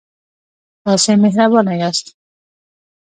تاسې مهربانه یاست.